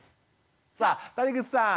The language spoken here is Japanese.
さあ谷口さん